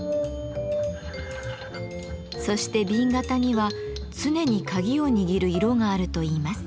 そして紅型には常にカギを握る色があるといいます。